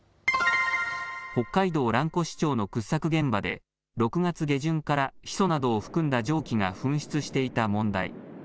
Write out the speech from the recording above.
北海道蘭越町の掘削現場で６月下旬からヒ素などを含んだ蒸気が噴出していた問題。